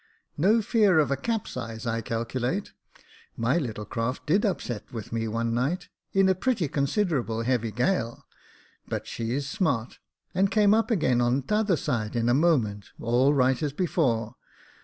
" No fear of a capsize, I calculate. My little craft did upset with me one night, in a pretty considerable heavy Jacob Faithful 157 gal ; but she's smart, and came up again on the other side in a moment, all right as before.